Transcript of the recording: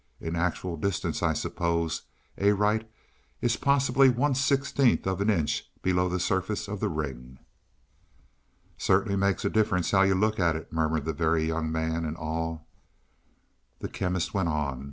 In actual distance I suppose Arite is possibly one sixteenth of an inch below the surface of the ring." "Certainly makes a difference how you look at it," murmured the Very Young Man in awe. The Chemist went on.